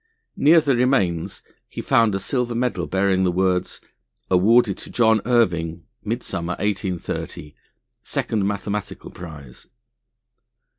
Near the remains he found a silver medal bearing the words, "Awarded to John Irving, Midsummer, 1830, Second Mathematical Prize."